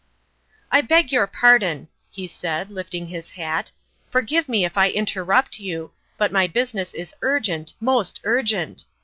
U I beg your pardon," he said, lifting his hat ;" forgive me if I interrupt you, but my business is urgent most urgent